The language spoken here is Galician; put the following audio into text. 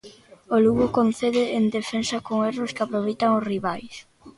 O Lugo concede en defensa con erros que aproveitan os rivais.